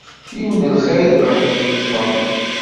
Yiwen n lxiḍ i d ad t -yeṭṭfen.